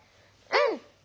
うん！